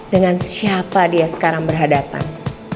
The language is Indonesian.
dengan siapa dia sekarang berhadapan